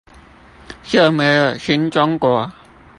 就沒有新中國